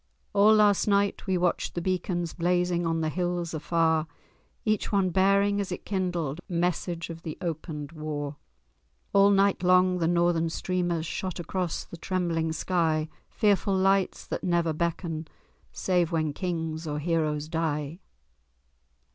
All last night we watched the beacons Blazing on the hills afar, Each one bearing, as it kindled, Message of the opened war. All night long the northern streamers Shot across the trembling sky: Fearful lights that never beckon Save when kings or heroes die.